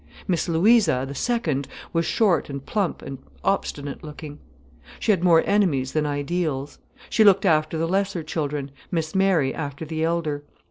Miss Louisa, the second, was short and plump and obstinate looking. She had more enemies than ideals. She looked after the lesser children, Miss Mary after the elder.